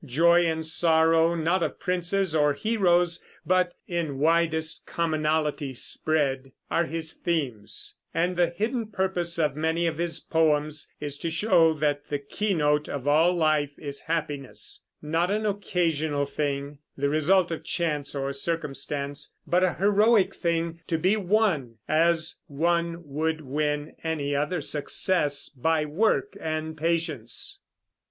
Joy and sorrow, not of princes or heroes, but "in widest commonalty spread," are his themes; and the hidden purpose of many of his poems is to show that the keynote of all life is happiness, not an occasional thing, the result of chance or circumstance, but a heroic thing, to be won, as one would win any other success, by work and patience.